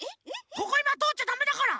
ここいまとおっちゃだめだから。